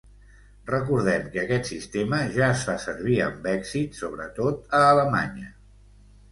Recordem que aquest sistema ja es fa servir amb èxit, sobretot a Alemanya.